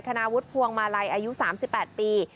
คณะวุทธภวงมาลัยอายุ๓๘ปี